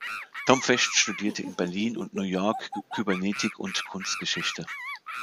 Tom Fecht studierte in Berlin und New York Kybernetik und Kunstgeschichte.